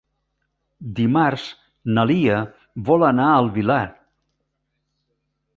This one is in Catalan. Dimarts na Lia vol anar al Villar.